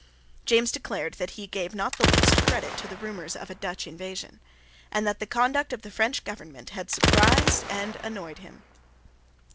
James declared that he gave not the least credit to the rumours of a Dutch invasion, and that the conduct of the French government had surprised and annoyed him.